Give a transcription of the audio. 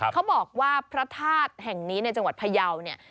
เขาบอกว่าพระธาตุแห่งนี้ในจังหวัดพยาวเนี่ย